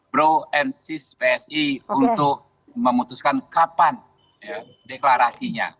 bro and sis psi untuk memutuskan kapan deklarasinya